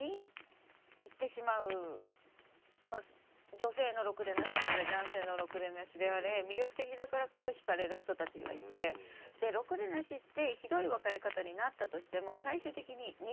女性のろくでなしであれ男性のろくでなしであれ魅力的だからこそ惹かれる人たちがいてろくでなしってなるほどね。